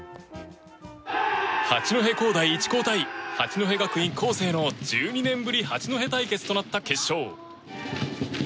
八戸工大一高対八戸学院光星の１２年ぶり八戸対決となった決勝。